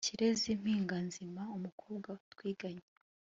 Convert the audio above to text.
kirezi mpinganzima umukobwa twiganye